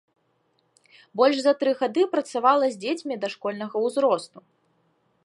Больш за тры гады працавала з дзецьмі дашкольнага ўзросту.